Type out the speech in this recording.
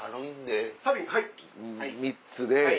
３つで。